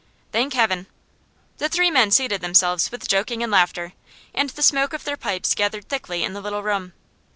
'Thank Heaven!' The three men seated themselves with joking and laughter, and the smoke of their pipes gathered thickly in the little room.